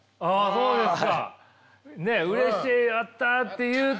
そうですか。